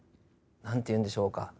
何て言うんでしょうか。